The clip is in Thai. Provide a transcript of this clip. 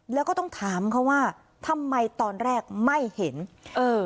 แล้วก็ต้องถามเขาว่าทำไมตอนแรกไม่เห็นเออ